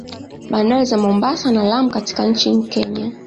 Bandari za Mombasa na Lamu katika nchi Kenya